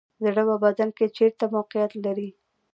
زړه په بدن کې چیرته موقعیت لري